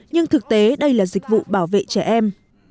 nhưng thực tế đây là dịch vụ bảo vệ trẻ em